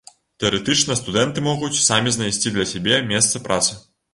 Тэарэтычна студэнты могуць самі знайсці для сябе месца працы.